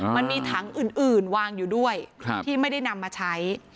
มันมีถังอื่นวางอยู่ด้วยที่ไม่ได้นำมาใช้